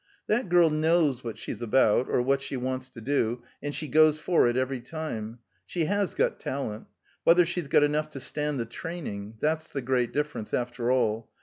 "That girl knows what she's about, or what she wants to do, and she goes for it every time. She has got talent. Whether she's got enough to stand the training! That's the great difference, after all.